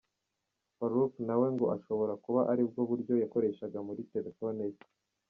Farook na we ngo ashobora kuba aribwo buryo yakoreshaga muri telefoni ye.